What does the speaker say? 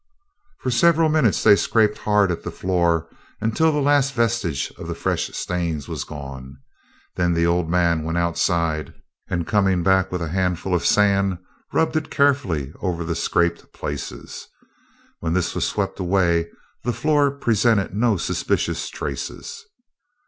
For several minutes they scraped hard at the floor until the last vestige of the fresh stains was gone. Then the old man went outside and, coming back with a handful of sand, rubbed it in carefully over the scraped places. When this was swept away the floor presented no suspicious traces.